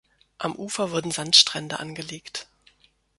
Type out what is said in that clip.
Am Ufer wurden Sandstrände angelegt.